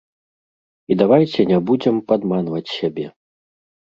І давайце не будзем падманваць сябе.